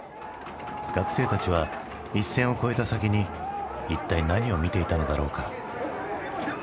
学生たちは一線を越えた先に一体何を見ていたのだろうか？